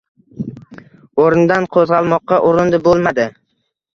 O‘rnidan qo‘zg‘almoqqa urindi bo‘lmadi.